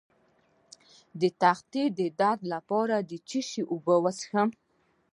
د تخه د درد لپاره د څه شي اوبه وڅښم؟